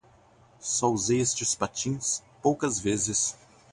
Só usei estes patins poucas vezes.